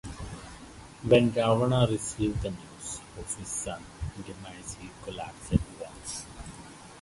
When Ravana received the news of his son's demise, he collapsed at once.